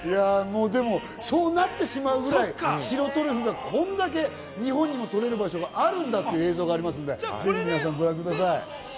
でもそうなってしまうぐらい白トリュフがこんだけ日本にも取れる場所があるんだっていう映像がありますんで、ご覧ください。